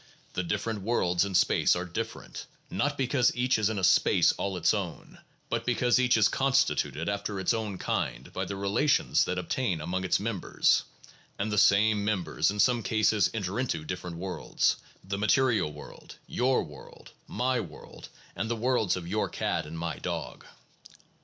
The different worlds in space are differ ent, not because each is in a space all its own, but because each is constituted after its own kind by the relations that obtain among its members; and the same members in some cases enter into the different worlds, the material world, your world, my world, and the worlds of your cat and my dog.